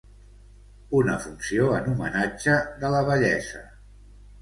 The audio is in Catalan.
Una funció en homenatge de la vellesa.